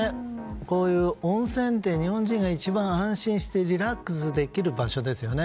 こういう温泉って日本人が一番安心してリラックスできる場所ですよね。